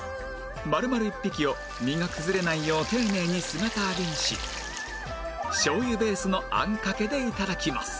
丸々１匹を身が崩れないよう丁寧に姿揚げにし醤油ベースのあんかけで頂きます